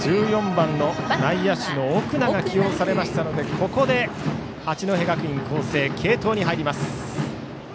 １４番、内野手の奥名が起用されましたのでここで八戸学院光星継投に入ります。